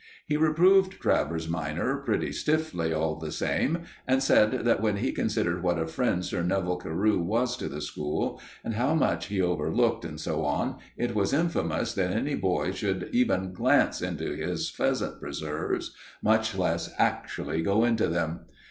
He reproved Travers minor pretty stiffly, all the same, and said that when he considered what a friend Sir Neville Carew was to the school, and how much he overlooked, and so on, it was infamous that any boy should even glance into his pheasant preserves, much less actually go into them.